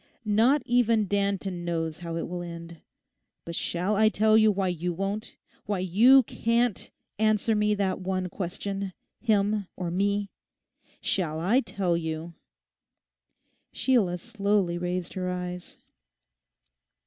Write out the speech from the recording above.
Not even Danton knows how it will end. But shall I tell you why you won't, why you can't answer me that one question—him or me? Shall I tell you?' Sheila slowly raised her eyes.